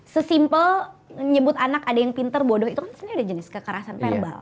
sesimpel menyebut anak ada yang pintar bodoh itu kan sebenarnya ada jenis kekerasan verbal